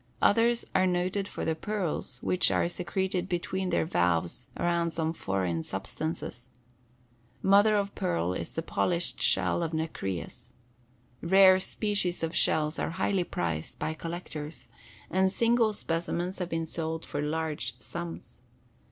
Others are noted for the pearls which are secreted between their valves around some foreign substances. Mother of pearl is the polished shell of nacreous. Rare species of shells are highly prized by collectors, and single specimens have been sold for large sums.